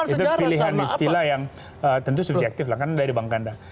itu pilihan istilah yang tentu subjektif lah karena dari bang kanda